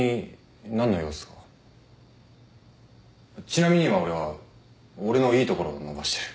ちなみに今俺は俺のいいところ伸ばしてる。